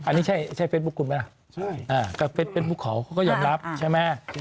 อันนี้ใช่ใช่เฟสบุ๊คคุณไหมใช่อ่าก็เป็นเป็นภูเขาเขาก็ยอมรับใช่ไหม